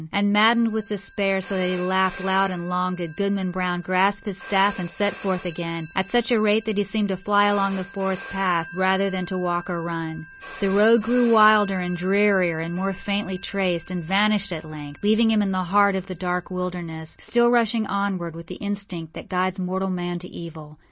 â And, maddened with despair, so that he laughed loud and long, did Goodman Brown grasp his staff and set forth again, at such a rate that he seemed to fly along the forest path rather than to walk or run. The road grew wilder and drearier and more faintly traced, and vanished at length, leaving him in the heart of the dark wilderness, still rushing onward with the instinct that guides mortal man to evil.